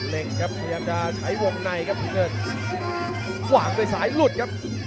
เล็งครับพยายามจะใช้วงในครับทุกคนวางไปสายหลุดครับ